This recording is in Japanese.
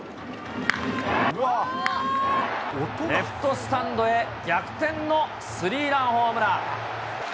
レフトスタンドへ逆転のスリーランホームラン。